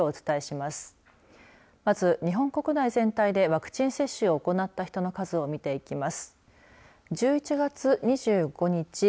まず、日本国内全体でワクチン接種を行った人の数を見ていきます。